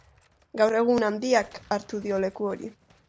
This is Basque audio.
Gaur egun Handiak hartu dio leku hori.